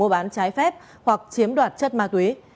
bán trái phép hoặc chiếm đoạt chất ma túy